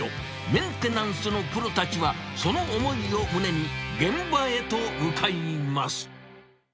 メンテナンスのプロたちはその思いを胸に、現場へと向かいます。